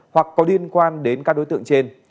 hoặc có liên quan đến các đối tượng trên